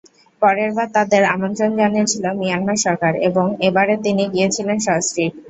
পরেরবার তাঁদের আমন্ত্রণ জানিয়েছিল মিয়ানমার সরকার এবং এবারে তিনি গিয়েছিলেন সস্ত্রীক।